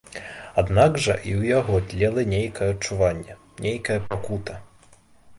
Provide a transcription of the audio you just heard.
Аднак жа і ў яго тлела нейкае адчуванне, нейкая пакута.